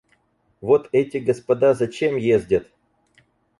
Вот эти господа зачем ездят?